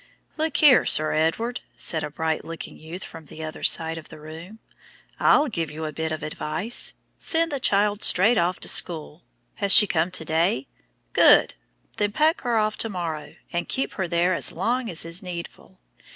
"Look here, Sir Edward," said a bright looking youth from the other side of the room, "I'll give you a bit of advice. Send the child straight off to school. Is she coming to day? Good. Then pack her off to morrow, and keep her there as long as is needful.